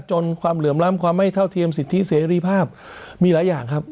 ความเหลื่อมล้ำความไม่เท่าเทียมสิทธิเสรีภาพมีหลายอย่างครับ